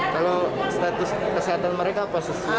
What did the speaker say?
kalau status kesehatan mereka apa sih